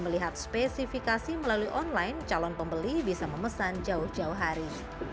melihat spesifikasi melalui online calon pembeli bisa memesan jauh jauh hari